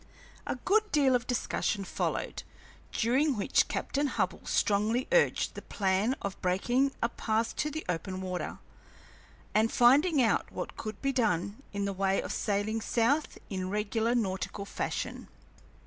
A good deal of discussion followed, during which Captain Hubbell strongly urged the plan of breaking a path to the open water, and finding out what could be done in the way of sailing south in regular nautical fashion.